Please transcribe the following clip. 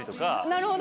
なるほど。